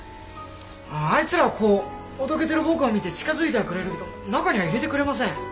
あいつらはこうおどけてる僕を見て近づいてはくれるけど中には入れてくれません。